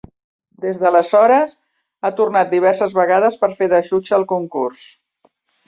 Des d'aleshores, ha tornat diverses vegades per fer de jutge al concurs.